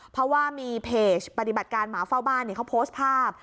เพราะว่ามีเพจปฏิบัติการหมาเฝ้าบ้านเขาโพสต์ภาพ